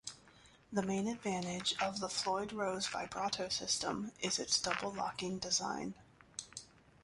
The main advantage of the Floyd Rose vibrato system is its double-locking design.